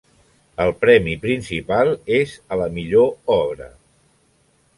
El premi principal és a la Millor Obra.